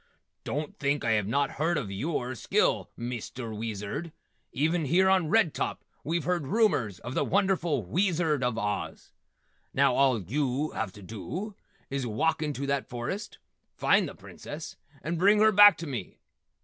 "Don't think I have not heard of yewer skill, Mister Weezard. Even here on Red Top we've heard rumors of the wonderful Weezard of Oz. Now all yew have to dew is walk into that forest, find the Princess and bring her back to me.